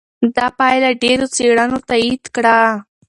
دا پایله ډېرو څېړنو تایید کړه.